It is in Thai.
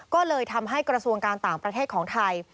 ก็เลยทำให้กระทรวงการต่างประเทศของไทย